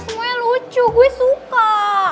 semuanya lucu gue suka